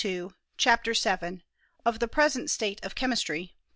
309 CHAPTER VII. or THE PRESEMT STATE OF CHEMISTRY.